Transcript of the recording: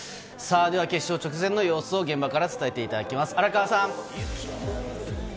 決勝直前の様子を現場から伝えていただきます、荒川さん。